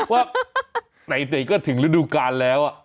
ว่าไหนก็ถึงฤดูกาลแล้ว